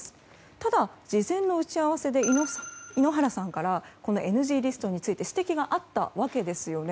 ただ、事前の打ち合わせで井ノ原さんからＮＧリストについて指摘があったわけですね。